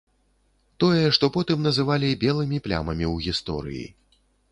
Тое, што потым назвалі белымі плямамі ў гісторыі.